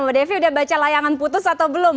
mbak devi udah baca layangan putus atau belum